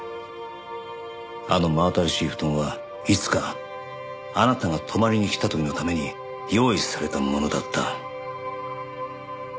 あの真新しい布団はいつかあなたが泊まりに来た時のために用意されたものだった。